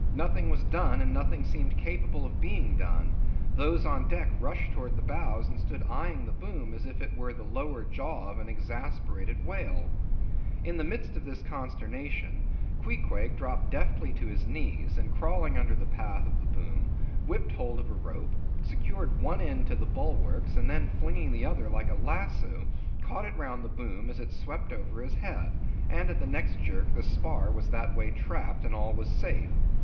Nothing was done, and nothing seemed capable of being done; those on deck rushed towards the bows, and stood eyeing the boom as if it were the lower jaw of an exasperated whale. In the midst of this consternation, Queequeg dropped deftly to his knees, and crawling under the path of the boom, whipped hold of a rope, secured one end to the bulwarks, and then flinging the other like a lasso, caught it round the boom as it swept over his head, and at the next jerk, the spar was that way trapped, and all was safe.